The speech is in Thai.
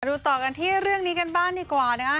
ดูต่อกันที่เรื่องนี้กันบ้างดีกว่านะฮะ